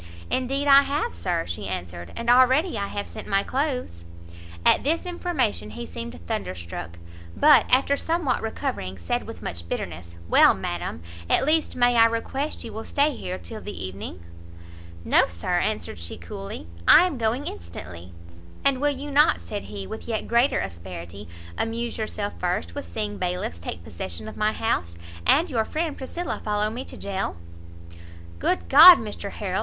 "Indeed I have, Sir," she answered, "and already I have sent my clothes." At this information he seemed thunderstruck; but, after somewhat recovering, said with much bitterness, "Well, madam, at least may I request you will stay here till the evening?" "No, Sir," answered she coolly, "I am going instantly." "And will you not," said he, with yet greater asperity, "amuse yourself first with seeing bailiffs take possession of my house, and your friend Priscilla follow me to jail?" "Good God, Mr Harrel!"